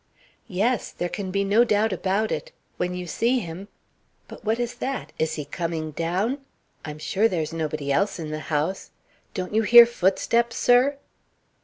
"Yes; there can be no doubt about it. When you see him but what is that? Is he coming down? I'm sure there's nobody else in the house. Don't you hear footsteps, sir?"